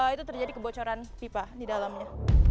itu terjadi kebocoran pipa di dalamnya